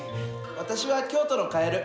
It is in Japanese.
私は京都のカエル。